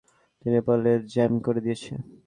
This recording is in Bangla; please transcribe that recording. এই পাথরগুলো লেজারকে জ্যাম করে দিয়েছে।